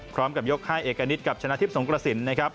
ยกให้เอกณิตกับชนะทิพย์สงกระสินนะครับ